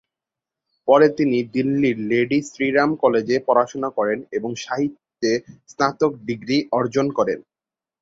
পরে তিনি দিল্লির লেডি শ্রী রাম কলেজে পড়াশুনা করেন এবং সাহিত্যে স্নাতক ডিগ্রি অর্জন করেন।